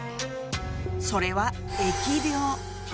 それは疫病！